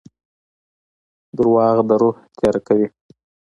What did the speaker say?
• دروغ د روح تیاره کوي.